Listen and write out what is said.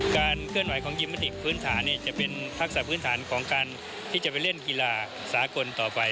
เคลื่อนไหวของยิมมิติพื้นฐานจะเป็นทักษะพื้นฐานของการที่จะไปเล่นกีฬาสากลต่อไป